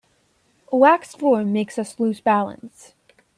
A waxed floor makes us lose balance.